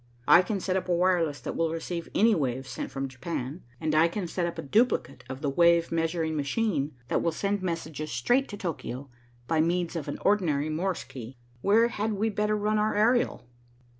"I can set up a wireless that will receive any waves sent from Japan, and I can set up a duplicate of the wave measuring machine that will send messages straight to Tokio, by means of an ordinary Morse key. Where had we better run our aerial?"